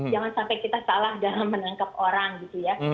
jangan sampai kita salah dalam menangkap orang gitu ya